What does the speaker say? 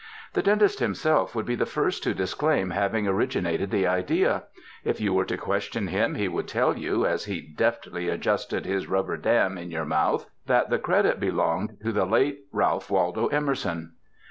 The dentist himself would be the first to disclaim having originated the idea; if you were to question him he would tell you, as he deftly ad justed his rubber dam in your mouth, that the credit belonged to the late Ralph Waldo Emerson.